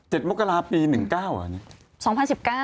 เจ็ดมกลาปี๑๙อ่ะนี่๒๐๑๙